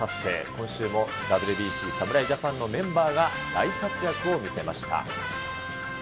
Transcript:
今週もＷＢＣ侍ジャパンのメンバーが大活躍を見せました。